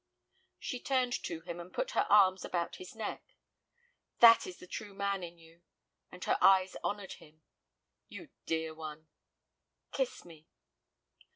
She turned to him and put her arms about his neck. "That is the true man in you," and her eyes honored him. "You dear one." "Kiss me."